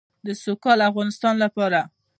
د سوکاله افغانستان لپاره.